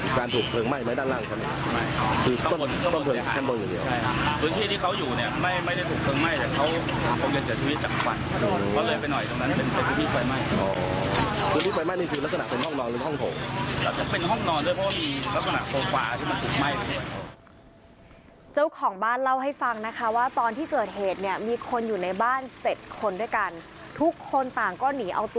เจ้าของบ้านเล่าให้ฟังนะคะว่าตอนที่เกิดเหตุเนี่ยมีคนอยู่ในบ้าน๗คนด้วยกันทุกคนต่างก็หนีเอาตัว